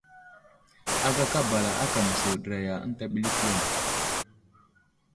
Agaka bala ákà məsuɗəraya ənta ɓəlik yaŋ.